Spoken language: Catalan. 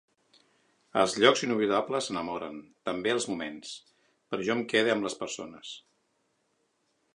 Els llocs inoblidables enamoren, també els moments, però jo em quede amb les persones.